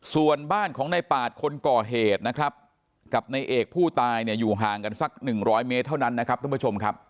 ส่วนบ้านของในปาดคนก่อเหตุนะครับกับในเอกผู้ตายเนี่ยอยู่ห่างกันสัก๑๐๐เมตรเท่านั้นนะครับท่านผู้ชมครับ